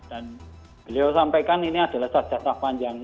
dan beliau sampaikan ini adalah sesat jatah panjang